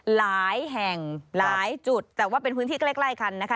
หลายแห่งหลายจุดแต่ว่าเป็นพื้นที่ใกล้ใกล้กันนะคะ